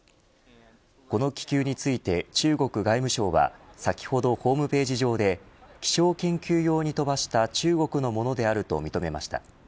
この気球について、中国外務省は先ほどホームページ上で気象研究用に飛ばした中国のものであると認めました。